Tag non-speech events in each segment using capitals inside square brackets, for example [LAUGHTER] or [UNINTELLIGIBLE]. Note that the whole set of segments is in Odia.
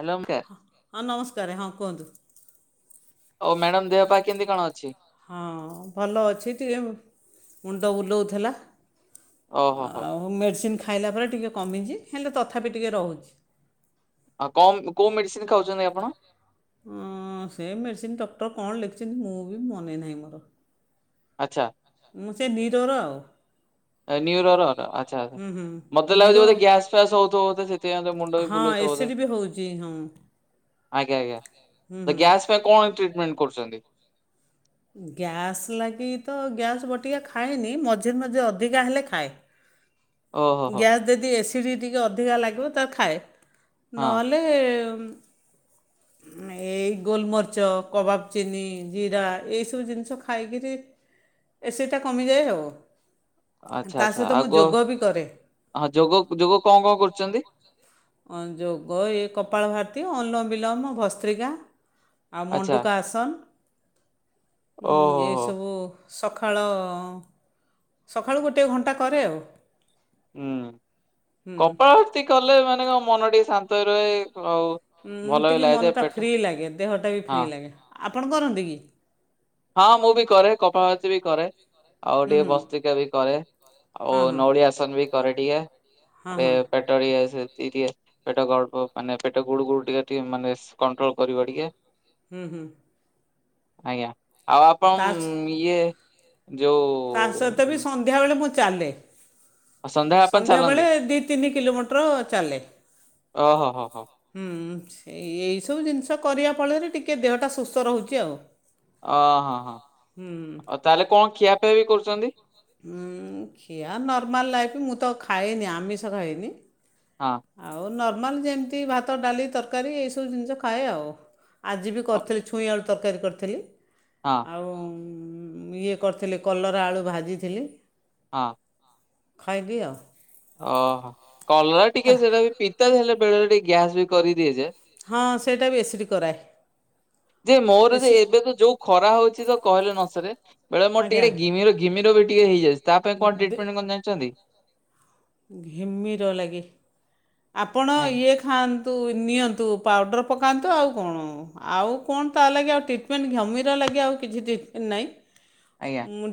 ହାଲୋ ଓମକାର୍। ହଁ ନମସ୍କାରେ, ହଁ କୁଅନ୍ତୁ। ଓ ମ୍ୟାଡ଼ାମ୍, ଦେହ ପା କେନତି କଣ ଅଛି? ହଁ ଭଲ ଅଛି ଟିକେ ମୁଣ୍ଡ ବୁଲୋଉଥେଲା। ଅ, ହ! ହ! ଆଉ ମେଡ଼ସିନ୍ ଖାଇଲା ପରେ ଟିକେ କମିଚି, ହେଲେ ତଥାପି ଟିକେ ରହୁଛି। ଆଉ କମ୍ କୋଉ ମେଡିସିନି ଖାଉଚନ୍ତି ଆପଣ? ଅଁ ସେ ମେଡ଼ସିନ୍ ଡକ୍ଟର କଣ ଲେଖଚନ୍ତି ମୁଁ ବି ମନେ ନାହିଁ ମୋର। ଆଚ୍ଛା। ମୁଁ ସେ ନିରର ଆଉ। ଏ ନିୟୁରୋର ର ଆଚ୍ଛା ଆଚ୍ଛା ମତେ ଲାଗୁଛି ବୋଧେ ଗ୍ୟାସ୍ ଫ୍ୟାସ୍ ହୋଉଥୁବ ବୋଧେ ସେଥି ପାଇଁ ତୋ ମୁଣ୍ଡ ହଁ, ଏସିଡ଼୍ ବି ହୋଉଚି ହଁ। ଆଗ୍ୟା! ଆଗ୍ୟା! ତ ଗ୍ୟାସ୍ ପାଇଁ କଣ ଏମ୍ ଟ୍ରିଟମେଣ୍ଟ କରୁଚନ୍ତି? ଗ୍ୟାସ୍ ଲାଗି ତ ଗ୍ୟାସ୍ ବଟିକା ଖାଏନି, ମଝିରେ ମଝିରେ ଅଧିକା ହେଲେ ଖାଏ। ଗ୍ୟାସ୍ ଯଦି ଏସିଡ଼ି ଟିକେ ଅଧିକା ଲାଗିବ ତା ଖାଏ। ନହେଲେ ଉମ ଏଇ ଗୋଲମରିଚ, କବାବ୍ ଚିନି, ଜିରା ଏଇ ସବୁ ଜିନିଷ ଖାଇକିରି ଏ ସେଇଟା କମିଯାଏ ଆଉ, ତା ସହିତ ମୁଁ ଯୋଗ ବି କରେ। ହଁ ଯୋଗ ଯୋଗ କଁ କଁ କରୁଚନ୍ତି? [INAUDIBLE] ଅଁ ଯୋଗ ଏ କପାଳଭାରତୀ, ଅଁଲମ୍ ବିଲମ, ଭସ୍ତ୍ରିକା। ଆଉ ମଣ୍ଡୁକା ଆସନ୍ ଉଁ ଏସବୁ ସଖାଳ ଅଁ ସକାଳୁ ଗୋଟିଏ ଘଣ୍ଟା କରେ ଆଉ। ହୁଁ କପାଳ ବାତି କଲେ ମାନେଙ୍କ ମନ ଟିକେ ଶାନ୍ତ ରହେ ଆଉ। ଟିକେ ମନଟା ଫ୍ରି ଲାଗେ ଦେହଟା ବି ଫ୍ରି ଲାଗେ ଆପଣ କରନ୍ତି କି। ହଁ ମୁଁ ବି କରେ କପାପତି ବି କରେ ଆଉ ଟିକେ ବସ୍ତିିକା ବି କରେ। ଆଉ ନଡିଆ ଆସନ ବି କରେ ଟିକେ। ହଁ ହଁ। [UNINTELLIGIBLE] ପେଟ ଗଳ୍ ମାନେ ପେଟ ଗୁଡୁ ଗୁଡ ଟିକେ ଟିକେ ମାନେ କଣ୍ଟ୍ରୋଲ କରିବ ଟିକେ। ହୁଁ ହୁଁ। ଆଜ୍ଞା ଆଉ ଆପଣ ଇଏ ଯୋଉ। ତା ସହିତ ବି ସନ୍ଧ୍ୟାବେଳେ ମୁଁ ଚାଲେ। ସନ୍ଧ୍ୟା ବେଳେ ଦି ତିନି କିଲୋମିଟର ଚାଲେ। ହୁଁଇ ଏଇସବୁ ଜିନିଷ କରିବା ଫଳରେ ଟିକେ ଦେହଟା ସୁସ୍ଥ ରହୁଛି ଆଉ। ଅ ହଁ ହଁ ତାହେଲେ କଣ ଖିଆଫିଆ ବି କରୁଛନ୍ତି। ଖିଆ ନର୍ମାଲ ଲାଇଫ୍ ମୁଁ ତ ଖାଏନି ଆମିଷ ଖାଏନି। ହଁ। ଆଉ ନର୍ମାଲ ଯେମିତି ଭାତ ଡାଲି ତରକାରୀ ଏଇସବୁ ଜିନିଷ ଖାଏ ଆଉ। ଆଜି ବି କରିଥିଲି ଛୁଇଁ ଆଳୁ ତରକାରୀ କରିଥିଲି। ହଁ। ଆଉ ଇଏ କରିଥିଲି କଲରା ଆଳୁ ଭାଜିଥିଲି। ହଁ। ଖାଇଲିି ଆଉ। ଓହୋ କଲରା ଟିକେ ସେଟା ବି ପିତା ହେଲେ ବେଳେ ଟିକେ ଗ୍ୟାସ୍ ବି କରିଦିଏ ଯେ। ହଁ ସେଇଟା ବି ଏସିଡି କରାଏ। ଯେ ମୋର ଯେ ଏବେ ତ ଯୋଉ ଖରା ହଉଛି ତ କହିଲେ ନ ସରେ। ବେଳେ ମୋର ଟିକେ ଘିମି ଘିମିର ବି ଟିକେ ହେଇଯାଇଛି ତା ପାଇଁ କଣ ଟ୍ରିଟମେଣ୍ଟ କଣ ଜାଣିଛନ୍ତି। ଘିମିର ଲାଗି ଆପଣ ଇଏ ଖାଆନ୍ତୁ ନିଅନ୍ତୁ ପାଉଡର ପକାନ୍ତୁ ଆଉ କଣ। ଆଉ କଣ ତା ଲାଗେ ଆଉ ଟ୍ରିଟମେଣ୍ଟ ଘିମିର ଲାଗି ଆଉ କିଛି ଟ୍ରିଟମେଣ୍ଟ ନାହିଁ।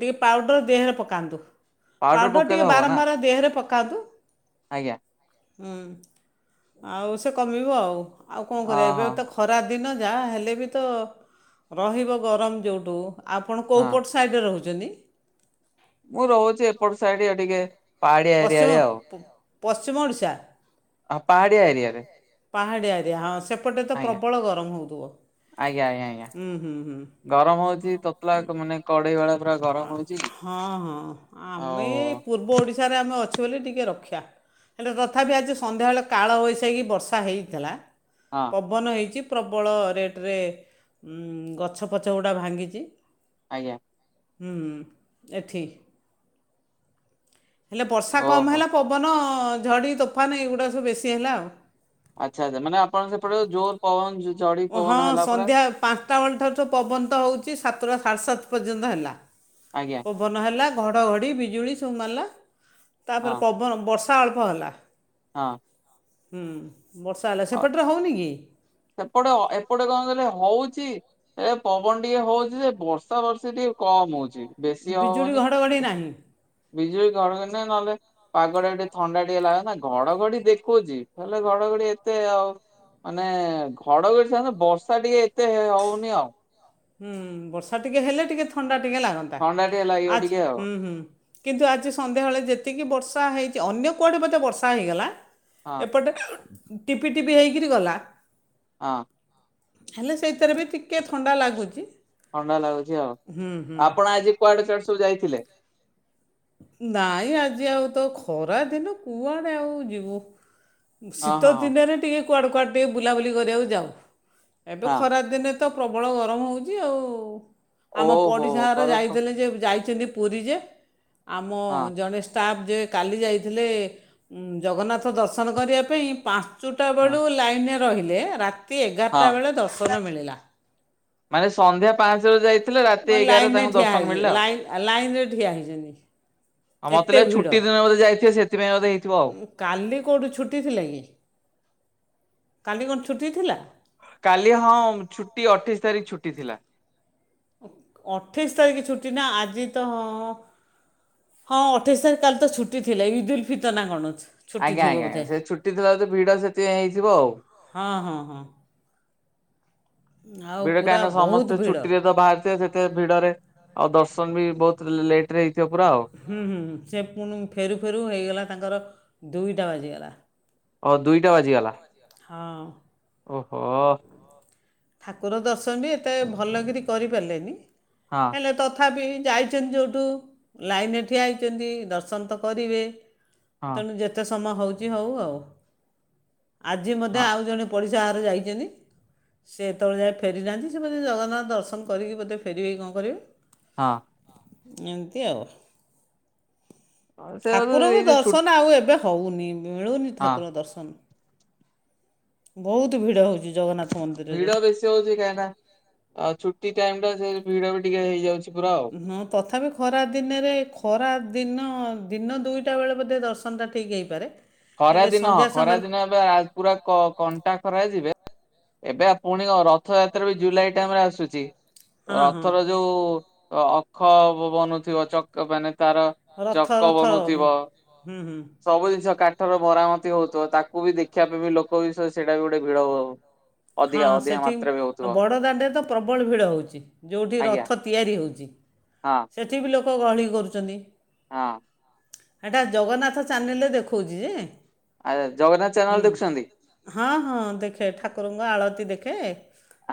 ଟିକେ ପାଉଡର ଦେହରେ ପକାନ୍ତୁ ପାଉଡର ଟିକେ ବାରମ୍ବାର ଦେହରେ ପକାନ୍ତୁ। ଆଜ୍ଞା। ହୁଁ ଆଉ ସେ କମିବ ଆଉ ଆଉ କଣ କରିବା ଏବେ ତ ଖରା ଦିନ ଯାହା ହେଲେ ବି ତ ରହିବ ଗରମ ଯେଉଁଠୁ ଆପଣ କେଉଁ ପଟୁ ସାଇଡ଼୍ରେ ରହୁଛନ୍ତି। ମୁଁ ରହୁଛି ଏପଟୁ ସାଇଡ୍ ଟିକେ। ପଶ୍ଚିମ ପଶ୍ଚିମ ଓଡ଼ିଶା। ଆଉ ପାହାଡିଆ ଏରିଆରେ। ପାହାଡିଆ ଏରିୟା ହଁ ସେପଟେ ତ ପ୍ରବଳ ଗରମ ହଉଥିବ। ଆଜ୍ଞା ଆଜ୍ଞା ଆଜ୍ଞା ଗରମ ହଉଛି ତତଲା ମାନେ। କଡେଇ ବେଳେ ପୁରା ଗରମ ହଉଛି ଆଉ। ସବୁ ଓଡ଼ିଶାରେ ଆମେ ଅଛୁ ବୋଲି ଟିକିଏ ରକ୍ଷା। ହେଲେ ତଥାପି ଆଜି ସନ୍ଧ୍ୟାବେଳେ କାଳ ବୈଶାକି ବର୍ଷା ହେଇଥିଲା। ହଁ। ପବନ ହୋଇଛି ପ୍ରବଳ ରେଟ୍ ରେ ଗଛ ପଛ ଗୁଡା ଭାଙ୍ଗିଛି। ଆଜ୍ଞା। ହୁଁ ଏଠି, ହେଲେ ବର୍ଷା କମ୍ ହେଲା ପବନ ଝଡ଼ି ତୋଫାନ୍ ଏଇଗୁଡ଼ାକ ସବୁ ବେଶୀ ହେଲା ଆଉ, ଆଚ୍ଛା-ଆଚ୍ଛା ମାନେ ଆପଣଙ୍କ ସେପଟେ ଜୋର ପବନ ଝ ଝଡ଼ି ପବନ ହେଲା ପାରା, ପାଞ୍ଚଟା ବେଳ ଠାରୁ ତ ପବନ ତ ହଉଛି ସାତଟା ସାଢ଼େ ସାତ ପର୍ଯ୍ୟନ୍ତ ହେଲା, ଆଜ୍ଞା, ପବନ ହେଲା ଘଡ଼ଘଡ଼ି ବିଜୁଳି ସବୁ ମାରିଲା ତାପରେ ପବନ ବର୍ଷା ଅଳ୍ପ ହେଲା, ହଁ, ହଁ ହୁଁ ବର୍ଷା ହେଲା ସେପଟରେ ହଉନି କି? ସେପଟେ ଏପଟେ କଣ କହିଲେ ହଉଛି, ଏ ପବନ ଟିକେ ହଉଛି ଯେ ବର୍ଷା ବର୍ଷୀ ଟିକେ କମ ହଉଛି, ବେଶୀ ହବନି ବିଜୁ ଘଡ଼ଘଡ଼ି ନା ନହେଲେ, ପାଗ ଟା ଟିକେ ଥଣ୍ଡା ଟିକେ ଲାଗ ନା ଘଡ଼ଘଡ଼ି ଦେଖଉଛି ହେଲେ ଘଡ଼ଘଡ଼ି ଏତ୍ ଏତେ ଆଉ ମାନେ ଘଡ଼ଘଡ଼ି ସାଙ୍ଗ ବର୍ଷା ଟିକେ ଏତେ ହଉନି ଆଉ, ହୁଁ ବର୍ଷା ଟିକେ ହେଲେ ଟିକେ ଥଣ୍ଡା ଟିକେ ଲାଗନ୍ତା ଆଛ ହୁଁ-ହୁଁ, କିନ୍ତୁ ଆଜି ସନ୍ଧ୍ୟାବେଳେ ଯେତିକି ବର୍ଷା ହେଇଛି ଅନ୍ୟ କୁଆଡ଼େ ବୋଧେ ବର୍ଷା ହେଇଗଲା, ଏପଟେ ଟିପି ଟିପି ହେଇକରି ଗଲା, ହଁ, ହଁ ହେଲେ ସେଇଥିରେ ବି ଟିକେ ଥଣ୍ଡା ଲାଗୁଛି, ଥଣ୍ଡା ଲାଗୁଛି ଆଉ ଆପଣ ଆଜି କୁଆଡ଼େ ଚଢ ସବୁ ଯାଇଥିଲେ? ନାଇଁ ଆଜି ଆଉ ତ ଖରା ଦିନ କୁଆଡ଼େ ଆଉ ଯିବୁ, ଶୀତ ଦିନରେ ଟିକେ କୁଆଡ଼େ-କୁଆଡ଼େ ଟିକେ ବୁଲାବୁଲି କରିବାକୁ ଯାଉ ଏବେ ଖରାଦିନେ ତ ପ୍ରବଳ ଗରମ ହଉଛି ଆଉ ଆମ ପଡିଶା ଘର ଯାଇଲେ ଯେ ଯାଇଛନ୍ତି ପୁରୀ ଯେ ଆମ ଜଣେ, ଷ୍ଟାଫ୍ ଯେ କାଲି ଯାଇଥିଲେ ହୁଁ ଜଗନ୍ନାଥ ଦର୍ଶନ କରିବା ପାଇଁ ପାଞ୍ଚଟ୍ ଚୁଟା ବେଳୁ ଲାଇନ ରେ ରହିଲେ ରାତି ଏଗାରଟା ବେଳେ ଦର୍ଶନ ମିଳିଲା, ମାନେ ସନ୍ଧ୍ୟା ପାଞ୍ଚରେ ଯାଇ, ଗଲ୍ ଲାଇନ୍ ରେ ଠିଆ ହେଇଛି ଲାଇନ୍ ଆ ଲାଇନ୍ ରେ ଠିଆ ହେଇଛନ୍ତି, ହଁ ମତେ ଲାଗେ ଛୁଟି ଦିନ ବୋଧେ ଯାଇଥିବ ସେଥିପାଇଁ ବୋଧ ହେଇଥିବ ଆଉ, କାଲି କେଉଁଠି ଛୁଟି ଥିଲା କି କାଲି କଣ ଛୁଟି ଥିଲା? କାଲି ହଁ ଛୁଟି ଅଠେଇଶ୍ ତାରିଖ ଛୁଟି ଥିଲା, ଅଠେଇଶ୍ ତାରିଖ କି ଛୁଟି ନା ଆଜି ତ, ହଁ ଅଠେଇଶ୍ ତାରିଖ କାଲି ତ ଛୁଟି ଥିଲା ଇଦ୍ ଦୁ୍ଲ ଫିତର୍ ନା କଣ ଛୁ, ଆଜ୍ଞା-ଆଜ୍ଞା ସେ ଛୁଟି ଥିଲା ତ ଭିଡ ସେତି ପାଇଁ ହେଇଥିବ ଆଉ, ହଁ-ହଁ-ହଁ, ଭିଡ଼ କାହିଁକି ନା ସମସ୍ତେ ଛୁଟି ରେ ତ ବାହାରିିଥିବେ ସେତ୍ ଏତେ ଭିଡ଼ରେ ଆଉ ଦର୍ଶନ ବି ବହୁତ୍ ଲେଟ ରେ ହେଇଥିବ ପୁରା ଆଉ, ହୁଁ-ହୁଁ-ହୁଁ ସେ ପୁଣୁ ଫେରୁ-ଫେରୁ ହେଇଗଲା ତାଙ୍କର ଦୁଇଟା ବାଜିଗଲା, ଓ ଦୁଇଟା ବାଜିଗଲା? ହଁ, ଓହୋ, ଠାକୁର ଦର୍ଶନ ବି ଏତେ ଭଲକିରି କରି କରିପାରିଲେନି, ହଁ, ହେଲେ ତଥାପି ଯାଇଛନ୍ତି ଯୋଉଠୁ, ଲାଇନରେ ଠିଆ ହେଇଛନ୍ତି ଦର୍ଶନ ତ କରିବେ, ତେଣୁ ଯେତେ ସମୟ ହଉଛି ହଉ ଆଉ, ଆଜି ମୋତେ ଆଉ ଜଣେ ପଡ଼ିଶା ଘର ଯାଇଛନ୍ତି। ସେ ଏତେବେଳେ ଯାଏ ଫେରିନାହାଁନ୍ତି ସେ ବୋଧେ ଜଗନ୍ନାଥ ଦର୍ଶନ କରି ଫେରିବେ କି କଣ କରିବେ। ଏମିତି ଆଉ ଠାକୁରଙ୍କୁ ଦର୍ଶନ ଆଉ ଏବେ ହଉନି ମିଳୁନି ଥାକୁର ଦର୍ଶନ। ବହୁତ ଭିଡ଼ ହୋଉଛି ଜଗନ୍ନାଥ ମନ୍ଦିରରେ। ଏତେ ହୋଉଚି କାହିଁକି ନା ଆଉ ଛୁଟି ଟାଇମ୍ ଟା ସେ ଭିଡ ବି ଟିକେ ହେଇଯାଉଛି ପୁରା ଆଉ। ହଁ ତଥାପି ଖରା ଦିନରେ ଖରା ଦିନ ଦିନ ଦୁଇଟା ବେଳେ ବୋଧେ ଦର୍ଶନଟା ଠିକ୍ ହେଇପାରେ। ଖରା ଦିନ ହଁ ଖରା ଦିନ ଏବେ ପୁରା କ କଣ୍ଟା ଖରା ଯିବେ। ଏବେ ପୁଣି ରଥଯାତ୍ରା ବି ଜୁଲାଇ ଟାଇମ୍ ରେ ଆସୁଛି। ରଥର ଯୋଉ ଅଖ ବନୁଥିବ ଚକ ମାନେ ତାର ଚକ ବନୁଥିବ। ସବୁ ଜିନିଷ କାଠର ମରାମତି ହଉଥିବ ତାକୁ ବି ଦେଖିବା ପାଇଁ ବି ଲୋକ ବିଷୟରେ ସେଇଟା ବି ଗୋଟେ ଭିଡ ହବ। ହଁ ସେଠି ବଡ଼ଦାଣ୍ଡରେ ତ ପ୍ରବଳ ଭିଡ଼ ହୋଉଛି ଯୋଉଠି ରଥ ତିଆରି ହୋଉଛି। ହଁ। ସେଠି ବି ଲୋକ ଗହଳି କରୁଛନ୍ତି। ହଁ। ଏଇଟା ଜଗନ୍ନାଥ ଚ୍ୟାନେଲ୍ ରେ ଦେଖାଉଛି ଯେ। ଆ ଜଗନ୍ନାଥ ଚ୍ୟାନେଲ୍ ଦେଖୁଛନ୍ତି? ହଁ ହଁ ଦେଖେ ଠାକୁରଙ୍କ ଆଳତି ଦେଖେ।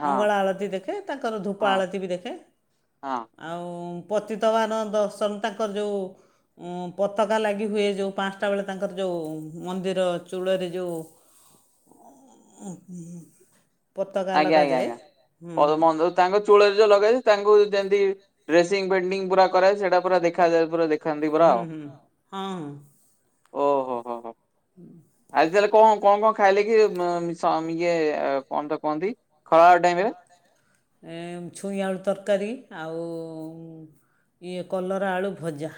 ମଙ୍ଗଳା ଆଳତି ଦେଖେ ତାଙ୍କର ଧୂପ ଆଳତି ବି ଦେଖେ। ଆଉ ପତିତବାନ ଦର୍ଶନ ତାଙ୍କର ଯୋଉ ଉଁ ପତାକା ଲାଗି ହୁଏ ଯୋଉ ପାଞ୍ଚଟା ବେଳେ ତାଙ୍କର ଯୋଉ ମନ୍ଦିର ଚୂଳରେ ଯୋଉ ହୁଁ ପତାକା ଲଗାଯାଏ ହୁଁ ହୁଁ। ତାଙ୍କ ଚୂଳରେ ଯୋଉ ଲଗାଯାଇଛି ତାଙ୍କୁ ଯେନ୍ତି ଡ୍ରେସିଂ ପେଣ୍ଟିଂ ପୁରା କରାଯାଏ ସେଇଟା ପୁରା ଦେଖାଯାଏ ପୁରା ଶାନ୍ତିପୁରା ଆଉ ଓହୋ। ହୁଁ। ଆଜି ତାହେଲେ କଣ କଣ କଣ ଖାଇଲେ କି ଇଏ କଣ ତ କୁହନ୍ତି ଖରାବେଳ ଟାଇମ୍ ରେ? ଏଁ ଛୁଇଁ ଆଳୁ ତରକାରୀ ଆଉ ଇଏ କଲରା ଆଳୁ ଭଜା।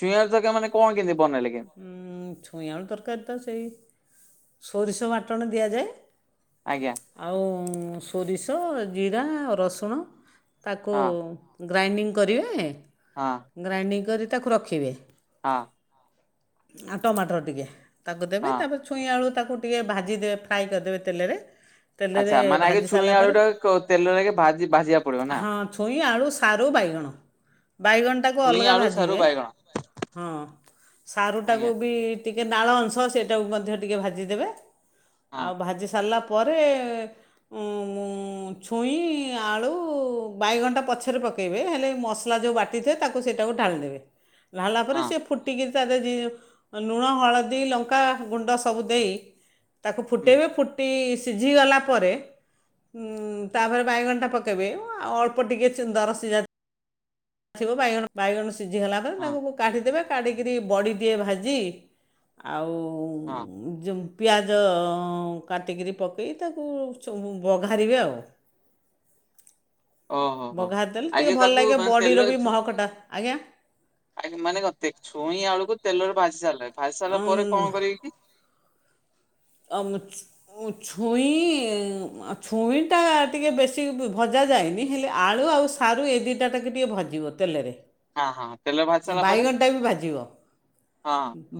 ଛୁଇଁ ଆଳୁ ତରକାରୀ ମାନେ କଣ କେମିତି ବନେଇଲେ ଆଜ୍ଞା? ଉଁ ଛୁଇଁ ଆଳୁ ତରକାରୀ ତ ସେଇ ସୋରିଷ ବାଟଣ ଦିଆଯାଏ। ଆଜ୍ଞା। ଆଉ ସୋରିଷ ଜିରା ରସୁଣ ତାକୁ ଗ୍ରାଇଣ୍ଡିଙ୍ଗ କରିବେ। ହଁ। ଗ୍ରାଇଣ୍ଡିଙ୍ଗ କରି ତାକୁ ରଖିବେ। ହଁ। ଆଉ ଟମାଟର ଟିକେ ତାକୁ ଦେବେ ତାପ ଛୁଇଁ ଆଳୁ ତାକୁ ଟିକେ ଭାଜିଦେବେ ଫ୍ରାଏ କରିଦେବେ ତେଲେରେ। ଆଚ୍ଛା ମାନେ ଆଗେ ଛୁଇଁ ଆଳୁ ଟା କୁ ତେଲ ତେଲରେ ଆଗେ ଭାଜିବାକୁ ପଡିବ ନା। ଛୁଇଁ ଆଳୁ ସାରୁ ବାଇଗଣ ବାଇଗଣଟାକୁ ଅଲଗା ଭାଜିବେ ହଁ। ସାରୁଟାକୁ ବି ଟିକେ ନାଳ ଅଂଶ ସେଇଟାକୁ ମଧ୍ୟ ଟିକେ ଭାଜିଦେବେ। ଆଉ ଭାଜି ସାରିଲା ପରେ ମୁଁ ଛୁଇଁ ଆଳୁ ବାଇଗଣ ଟା ପଛରେ ପକେଇବେ ହେଲେ ଏଇ ମସଲା ଯୋଉ ବା ହେଇଥାଏ ତାକୁ ସେଇଟାକୁ ଢାଳି ଦେବେ। ବାହିଲା ପରେ ସେ ଫୁଟିକି ତାରେ ଲୁଣ ହଳଦୀ ଲଙ୍କା ଗୁଣ୍ଡ ସବୁ ଦେଇ। ତାକୁ ଫୁଟେଇବେ ଫୁଟି ସିଝିଗଲା ପରେ। ଉଁ ତାପରେ ବାଇଗଣଟା ପକେଇବେ ଆଉ ଅଳ୍ପ ଟିକେ ଦରସିଝା [UNINTELLIGIBLE] ବାଇଗଣ ବାଇଗଣ ସିଝିଗଲା ପରେ ତାଙ୍କୁ କାଢିଦବେ କାଢି କିରି ବଡି ଦିଏ ଭାଜି ଆଉ ଯେ ପିଆଜ କାଟିକିରି ପକାଇ ତାକୁ ବଘାରିବେ ଆଉ। ବଘା ଦେଲେ ଟିକେ ଭଲ ଲାଗେ ବଡ଼ିର ବି ମହକଟା ଆଜ୍ଞା। [UNINTELLIGIBLE] ମାନେ କଣ ଛୁଇଁ ଆଳୁକୁ ତେଲ ରେ ଭାଜି ସାରିଲା ଭାଜି ସାରିଲା ପରେ କଣ କରିବେ କି? [UNINTELLIGIBLE] ଛୁଇଁ ଛୁଇଁଟା ଟିକେ ବେଶୀ ଭଜା ଯାଏନି ହେଲେ ଆଳୁ ଆଉ ସାରୁ ଏ ଦୁଇଟା ଟାକୁ ଟିକେ ଭାଜିବ ତେଲରେ। ହଁ ହଁ। ବାଇଗଣ ଟା ବି ଭାଜିବ।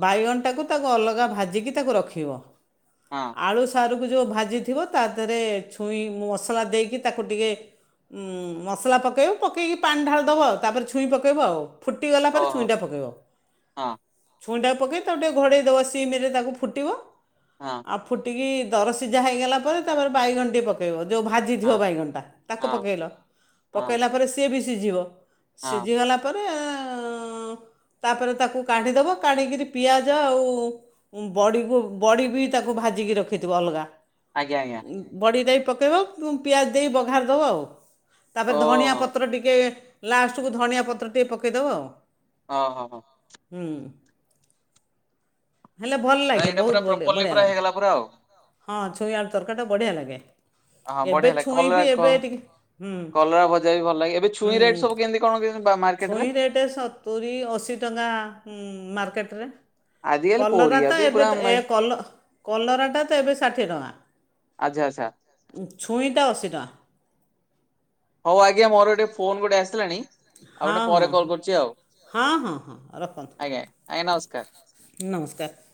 ବାଇଗଣଟାକୁ ତାକୁ ଅଲଗା ଭାଜିକି ତାକୁ ରଖିବ। ହଁ। ଆଳୁ ସାରକୁ ଯେଉଁ ଭାଜିଥିବ ତା ଦେହରେ ଛୁଇଁ ମସଲା ଦେଇକି ତାକୁ ଟିକେ। ମସଲା ପକେଇବ ପକେଇକି ପାଣି ଢାଳି ଦେବ ଆଉ ତାପରେ ଛୁଇଁ ପକେଇବ ଆଉ। ଫୁଟିଗଲା ପରେ ଛୁଇଁଟା ପକେଇବ। ଛୁଇଁଟାକୁ ପକେଇ ତାକୁ ଟିକେ ଘଡ଼େଇ ଦେବ ସିମିରେ ତାକୁ ଫୁଟିବ। ହଁ। ଆଉ ଫୁଟିକି ଦର ସିଝା ହେଇଗଲା ପରେ ତାପରେ ବାଇଗଣ ଟି ପ ପକେଇବ ଯୋଉ ଭାଜି ଥିବ ବାଇଗଣଟା ତାକୁ ପକେଇଲ ପକେଇଲା ପରେ ସିଏ ବି ସିଝିବ। ସିଝିଗଲା ପରେ [INAUDIBLE] ତାପରେ ତାକୁ କାଢିଦବ କାଢି କିରି ପିଆଜ ଆଉ ବଡ଼ିକୁ ବଡ଼ି ବି ତାକୁ ଭାଜିକି ରଖିଥିବ ଅଲଗା। ଆଜ୍ଞା ଆଜ୍ଞା। ବଡ଼ି ଦେଇ ପକେଇବ ପିଆଜ ଦେଇ ବଘାରି ଦେବ ଆଉ। ତାପରେ ଧନିଆ ପତ୍ର ଟିକେ ଲାଷ୍ଟକୁ ଧନିଆ ପତ୍ର ଟିକେ ପକେଇଦେବ ଆଉ। ହଁ ହଁ ହଁ। ହୁଁ। ହେଲେ ଭଲ ଲାଗେ ବହୁତ ଭଲ ବଢିଆ ଲାଗେ। ହଁ ଛୁଇଁ ଆଳୁ ତରକାରୀ ଟା ବଢ଼ିଆ ଲାଗେ। ହଁ ବଢିଆ ଲାଗେ କଲରା କ କଲରା ଭଜା ବି ଭଲ ଲାଗେ ଏବେ ଛୁଇଁ ରେଟ୍ ସବୁ କେମିତି? କଣ କେମିତି ବା ମାର ଛୁଇଁ ରେଟ୍ ସତୁରି ଅଶୀ ଟଙ୍କା ଉଁ ମାର୍କେଟରେ। କଲରା ତ ଏବେ ତ ଏ କଲ କଲରାଟା ତ ଏବେ ଷାଠିଏ ଟଙ୍କା। ଆଚ୍ଛା ଆଚ୍ଛା। ଛୁଇଁଟା ଅଶୀ ଟଙ୍କା। ହଉ ଆଜ୍ଞା ମୋର ଗୋଟେ ଫୋନ ଗୋଟେ ଆସିଲାଣି। ଆଉ ଟିକେ ପରେ କଲ କରୁଚି ଆଉ ଆଜ୍ଞା ଆଜ୍ଞା ନମସ୍କାର। ନମସ୍କାର।